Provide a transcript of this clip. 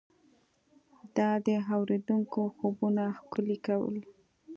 دا د اورېدونکو خوبونه ښکلي کول.